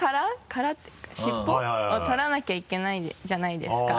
殻っていうか尻尾？を取らなきゃいけないじゃないですか。